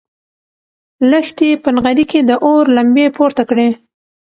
لښتې په نغري کې د اور لمبې پورته کړې.